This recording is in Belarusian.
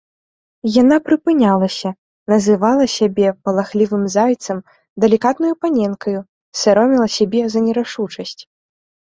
Яна прыпынялася, называла сябе палахлівым зайцам, далікатнаю паненкаю, сароміла сябе за нерашучасць.